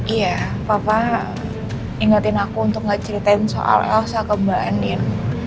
iya papa ingetin aku untuk gak ceritain soal elsa ke mbak andien